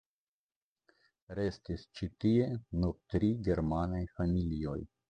Restis ĉi tie nur tri germanaj familioj.